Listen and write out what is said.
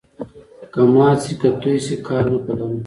که مات سي که توی سي، کار نه په لرم.